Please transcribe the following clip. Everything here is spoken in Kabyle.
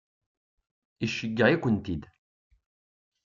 Iceyyeε-ikent-id?